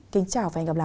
kính chào và hẹn gặp lại